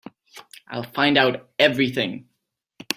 I'll find out everything.